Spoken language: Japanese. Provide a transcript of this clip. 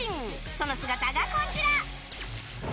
その姿が、こちら。